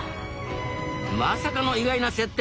まさかの意外な接点。